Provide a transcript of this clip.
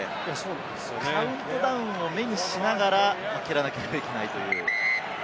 カウントダウンを目にしながら蹴らなければいけないという。